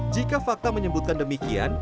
jika fakta menyebutkan demikian